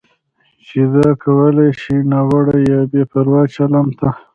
چې دا کولی شي ناوړه یا بې پروا چلند ته